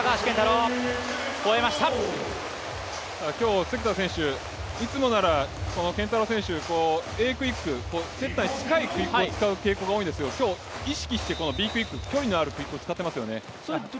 今日、関田選手、いつもなら健太郎選手、Ａクイック、セッターに近いクイックを使う傾向があるんですが今日、意識してＢクイック距離のあるクイックを使ってますよね。